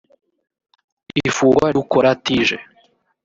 ifungwa ry’ukora tig